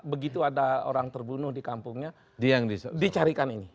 begitu ada orang terbunuh di kampungnya yang dicarikan ini